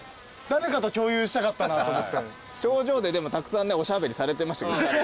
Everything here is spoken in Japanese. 頂上でたくさんおしゃべりされてましたけど。